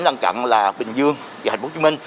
lân cận là bình dương và hà nội